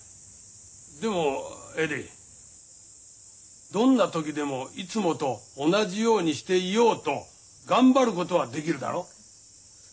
でもエディどんな時でもいつもと同じようにしていようと頑張ることはできるだろ？